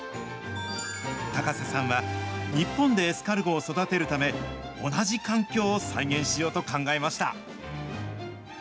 高瀬さんは、日本でエスカルゴを育てるため、同じ環境を再現しようと考えました。